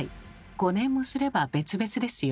５年もすれば別々ですよ。